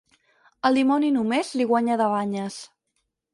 El dimoni només li guanya de banyes.